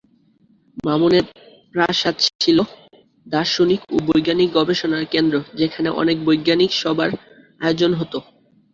মামুনের প্রাসাদ ছিল দার্শনিক ও বৈজ্ঞানিক গবেষণার কেন্দ্র যেখানে অনেক বৈজ্ঞানিক সভার আয়োজন হত।